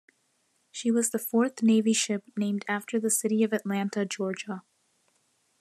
She was the fourth Navy ship named after the city of Atlanta, Georgia.